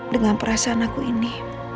dengan perasaan aku ini